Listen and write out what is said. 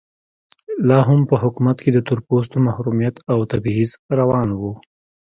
لا هم په حکومت کې د تور پوستو محرومیت او تبعیض روان و.